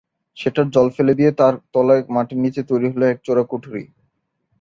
সেটার জল ফেলে দিয়ে তার তলায় মাটির নীচে তৈরি হল এক চোরাকুঠরি।